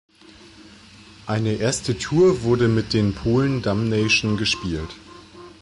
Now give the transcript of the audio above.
Eine erste Tour wurde mit den Polen Damnation gespielt.